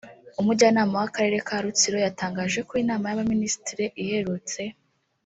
Umujyanama w’Akarere ka Rutsiro yatangaje ko inama y’abaminisitiri iherutse